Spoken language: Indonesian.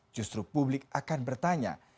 justru publik akan bertanya